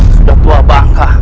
sudah tua bangka